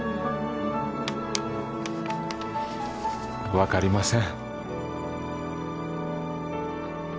分かりません